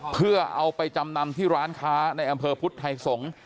เพื่อเอาไปจำนำที่ร้านค้าในอำเภอพุทธไทยสงศ์